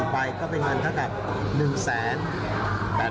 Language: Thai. ๕๔ไปก็เป็นเงินเท่ากับ๑แสน๘๐๐๐บาท